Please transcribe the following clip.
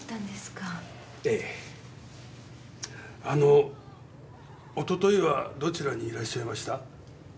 あの一昨日はどちらにいらっしゃいました？